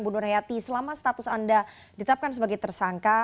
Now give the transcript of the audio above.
ibu nur hayatin selama status anda ditetapkan sebagai tersangka